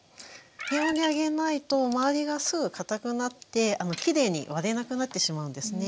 低温で揚げないと周りがすぐかたくなってきれいに割れなくなってしまうんですね。